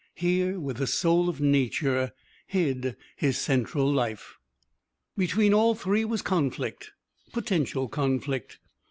Here, with the soul of Nature, hid his central life. Between all three was conflict potential conflict.